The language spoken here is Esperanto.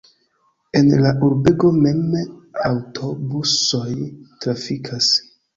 En la urbego mem aŭtobusoj trafikas.